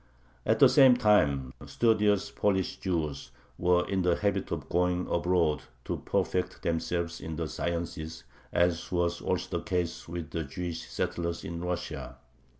At the same time studious Polish Jews were in the habit of going abroad to perfect themselves in the sciences, as was also the case with the Jewish settlers in Russia.